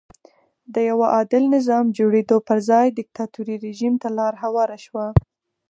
د یوه عادل نظام جوړېدو پر ځای دیکتاتوري رژیم ته لار هواره شوه.